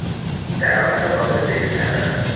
او درآمد قابل ذکری ندارد.